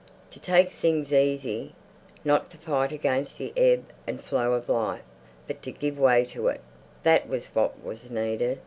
To take things easy, not to fight against the ebb and flow of life, but to give way to it—that was what was needed.